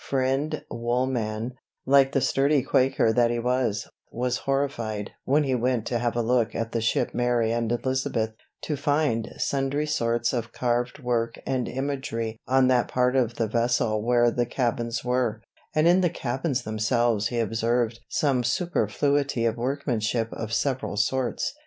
Friend Woolman, like the sturdy Quaker that he was, was horrified (when he went to have a look at the ship Mary and Elizabeth) to find "sundry sorts of carved work and imagery" on that part of the vessel where the cabins were; and in the cabins themselves he observed "some superfluity of workmanship of several sorts."